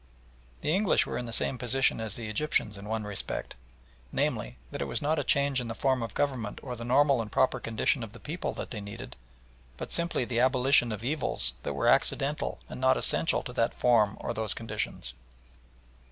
The English were in the same position as the Egyptians in one respect, namely, that it was not a change in the form of government or the normal and proper condition of the people that they needed, but simply the abolition of evils that were accidental and not essential to that form or those conditions.